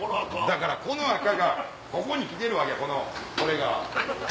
だからこの赤がここに来てるわけこのこれが。